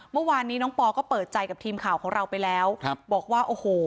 เมื่อวานนี้น้องปอก็เปิดใจกับทีมข่าวของเราไปแล้วครับบอกว่าโอ้โห